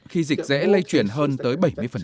khi dịch dễ lây chuyển hơn tới bảy mươi